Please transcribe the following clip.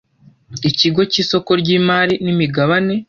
Ikigo cy isoko ry imari n imigabane